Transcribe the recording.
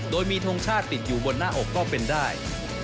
โดยมีทงชาติติดอยู่บนหน้าอกก็เป็นได้